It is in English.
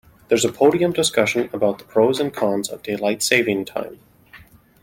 There's a podium discussion about the pros and cons of daylight saving time.